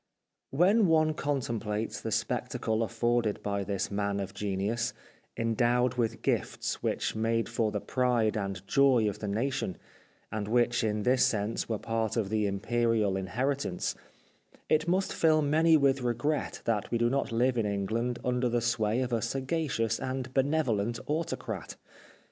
When one contemplates the spectacle afforded by this man of genius, endowed with gifts which made for the pride and joy of the nation, and which in this sense were part of the imperial inheritance, it must fill many with regret that we do not live in England under the sway of a sagacious and benevolent autocrat.